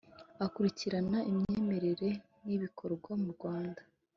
Akurikirana imyemerere n’ ibikorwa mu Rwanda